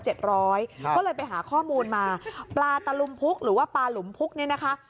ก็เลยไปหาข้อมูลมาปลาตะลุมพุกหรือว่าปลาหลุมพุกเนี่ยนะคะ